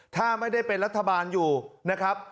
ถ้าไม่ได้เป็นรัฐบาลอยู่นะครับ